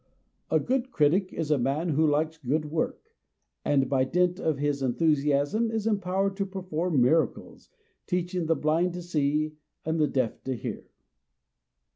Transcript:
A good critic is a man who likes good work, and by dint of his enthusiasm is em powered to perform miracles, teaching the blind to see and the deaf to hear.